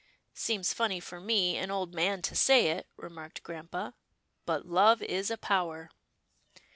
" Seems funny for me, an old man to say it," re marked grampa, " but love is a power."